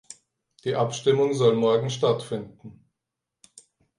Die Abstimmung soll morgen stattfinden.